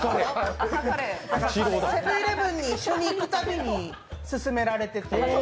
セブン−イレブンに一緒に行くたびに勧められてて。